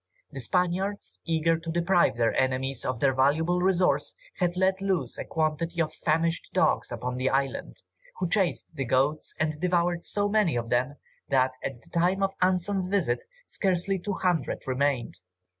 The Spaniards, eager to deprive their enemies of this valuable resource, had let loose a quantity of famished dogs upon the island, who chased the goats, and devoured so many of them, that, at the time of Anson's visit, scarcely two hundred remained.